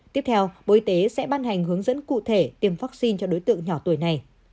tiếp theo bộ y tế sẽ ban hành hướng dẫn cụ thể tiêm vaccine cho đối tượng nhỏ tuổi này